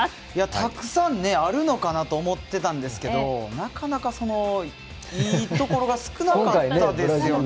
たくさんあるのかなと思ってたんですけどなかなかいいところが少なかったですよね。